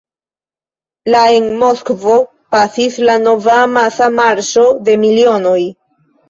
La en Moskvo pasis la nova amasa "Marŝo de milionoj".